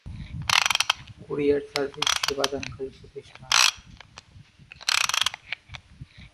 Courier service সেবাদানকারী প্রতিষ্ঠান।